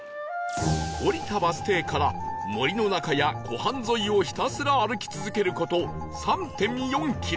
降りたバス停から森の中や湖畔沿いをひたすら歩き続ける事 ３．４ キロ